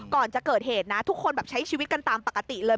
ก่อนจะเกิดเหตุนะทุกคนแบบใช้ชีวิตกันตามปกติเลย